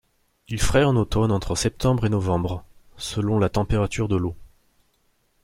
Il fraye en automne entre septembre et novembre, selon la température de l’eau.